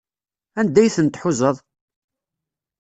Anda ay tent-tḥuzaḍ?